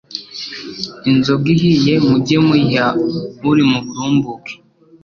Inzoga ihiye mujye muyiha uri burimbuke